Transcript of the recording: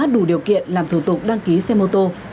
đủ điều kiện làm thủ tục đăng ký xe mô tô